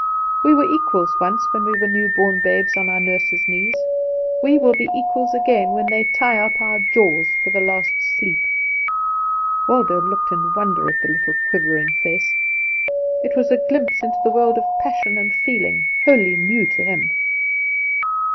We were equals once when we lay new born babes on our nurses' knees. We will be equals again when they tie up our jaws for the last sleep!" Waldo looked in wonder at the little quivering face; it was a glimpse into a world of passion and feeling wholly new to him.